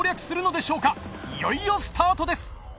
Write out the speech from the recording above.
いよいよスタートです。